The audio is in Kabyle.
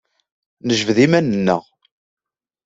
Nejbed iman-nneɣ.